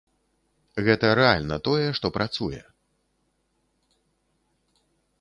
Гэта рэальна тое, што працуе.